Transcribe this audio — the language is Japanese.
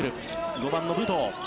５番の武藤。